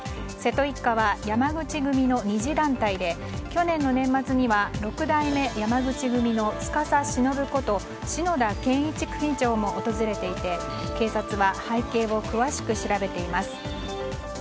瀬戸一家は山口組の二次団体で去年の年末には六代目山口組の司忍こと篠田建市組長も訪れていて警察は背景を詳しく調べています。